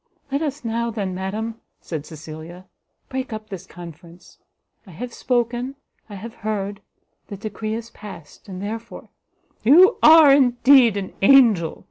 "Let us now, then, madam," said Cecilia, "break up this conference. I have spoken, I have heard, the decree is past, and therefore," "You are indeed an angel!"